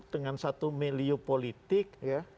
dengan satu milieu politik